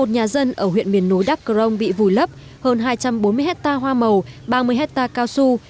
một nhà dân ở huyện miền nối đắk crong bị vùi lấp hơn hai trăm bốn mươi hectare hoa màu ba mươi hectare cao su